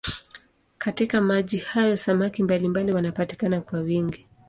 Katika maji hayo samaki mbalimbali wanapatikana kwa wingi.